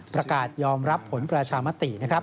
ประกาศยอมรับผลประชามตินะครับ